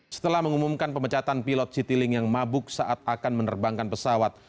setelah mengumumkan pemecatan pilot citilink yang mabuk saat akan menerbangkan pesawat